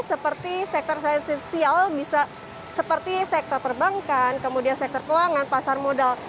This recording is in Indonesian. seperti sektor esensial bisa seperti sektor perbankan kemudian sektor keuangan pasar modal